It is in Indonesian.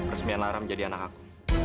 resmi yang laram jadi anak aku